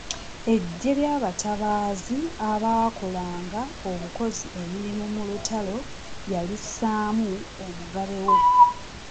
Eggye ly'abatabaazi abaakolanga obukozi emirimu mu lutalo yalisšaamu Omugabe we.